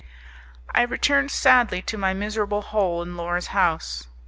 I returned sadly to my miserable hole in Laura's house.